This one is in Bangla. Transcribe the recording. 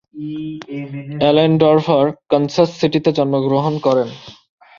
অ্যালেনডর্ফার কানসাস সিটিতে জন্মগ্রহণ করেন।